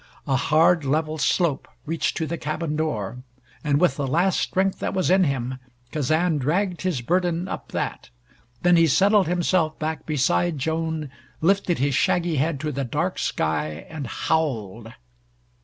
A hard level slope reached to the cabin door, and with the last strength that was in him Kazan dragged his burden up that. Then he settled himself back beside Joan, lifted his shaggy head to the dark sky and howled.